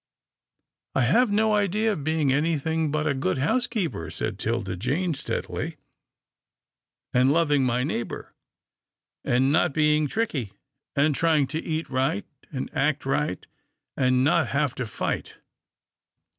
" I have no idea of being anything but a good housekeeper," said 'Tilda Jane, steadily, " and lov ing my neighbour, and not being tricky, and trying to eat right, and act right, and not have to fight.